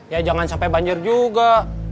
ya jangan sampai banjir juga